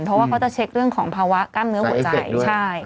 เพราะว่าเขาจะเช็คเรื่องของภาวะกล้ามเนื้อหัวใจใช่